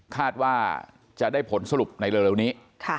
คาดว่าจะได้ผลสรุปในเร็วนี้